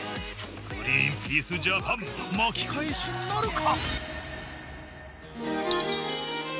グリーンピース・ジャパン巻き返しなるか。